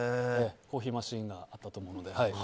コーヒーマシンがあったと思うので。